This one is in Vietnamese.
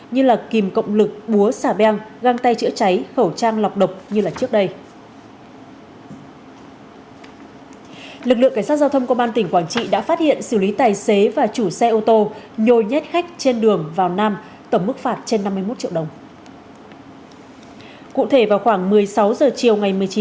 như là kìm cộng lực búa xả beng găng tay chữa cháy khẩu trang lọc độc như là trước đây